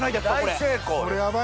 大成功よ。